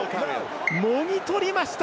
もぎ取りました。